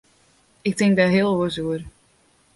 Ik tink der heel oars oer.